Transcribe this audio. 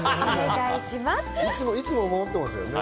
いつも守ってますよね。